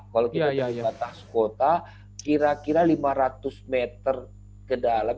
kalau kita dari batas kota kira kira lima ratus meter ke dalam